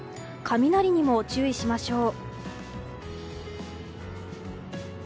雷にも注意しましょう。